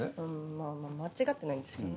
まぁ間違ってないんですけどね。